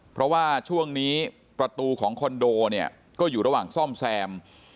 เพราะว่าช่วงนี้ประตูของคอนโดเนี่ยก็อยู่ระหว่างซ่อมแซม